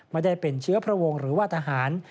ไม่ได้เป็นเชื้อพระวงศ์หรือว่าทหาร